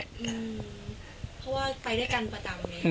เพราะว่าไปด้วยกันประจำ